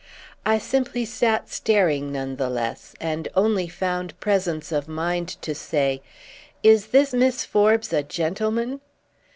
I simply sat staring, none the less, and only found presence of mind to say: "Is this Miss Forbes a gentleman?"